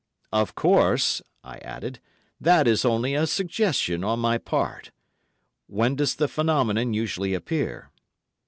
"Of course," I added, "that is only a suggestion on my part. When does the phenomenon usually appear?"